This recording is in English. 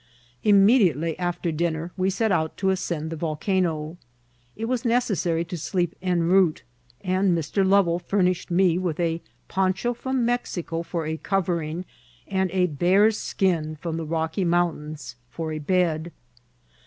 Immediately after dinner we set out to ascend the volcano. It was necessary to sleep en route, and Mr. Lovel furnished me with a poncha from Mexico for a covering, and a bear's skin from the Rocky Mountains for a bed.